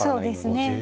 そうですね。